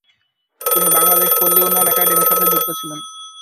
তিনি বাংলাদেশ পল্লী উন্নয়ন একাডেমীর সাথে যুক্ত ছিলেন।